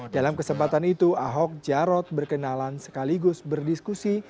dalam kesempatan itu ahok jarot berkenalan sekaligus berdiskusi